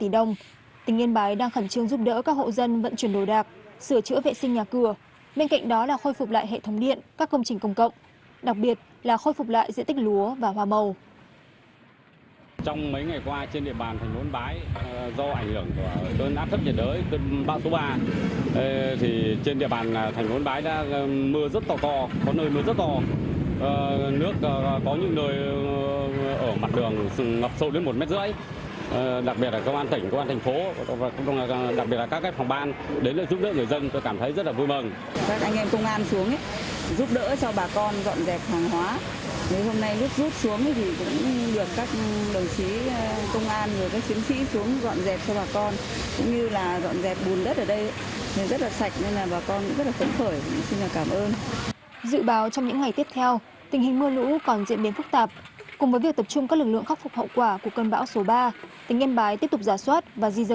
tỉnh yên bái đang khẩn trương giúp đỡ các hộ dân vận chuyển đồ đạc sửa chữa vệ sinh nhà cửa các công trình công cộng đặc biệt là khôi phục lại hệ thống điện các công trình công cộng đặc biệt là khôi phục lại hệ thống điện các công trình công cộng đặc biệt là khôi phục lại hệ thống điện các công trình công cộng đặc biệt là khôi phục lại hệ thống điện các công trình công cộng đặc biệt là khôi phục lại hệ thống điện các công trình công cộng đặc biệt là khôi phục lại hệ thống điện các công trình công cộng đặc biệt là khôi phục